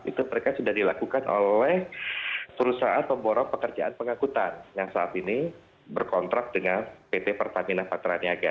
itu mereka sudah dilakukan oleh perusahaan pemborong pekerjaan pengangkutan yang saat ini berkontrak dengan pt pertamina patraniaga